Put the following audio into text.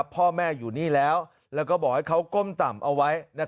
พ่อแม่อยู่นี่แล้วแล้วก็บอกให้เขาก้มต่ำเอาไว้